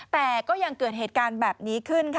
แต่ก็ยังเกิดเหตุการณ์แบบนี้ขึ้นค่ะ